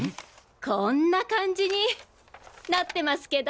こんな感じになってますけど。